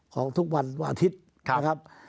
ของทุกวันวันอาทิตย์นะครับ